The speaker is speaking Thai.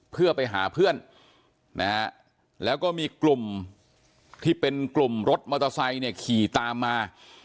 เพื่อไปหาเพื่อนนะฮะแล้วก็มีกลุ่มที่เป็นกลุ่มรถมอเตอร์ไซค์เนี่ยขี่ตามมา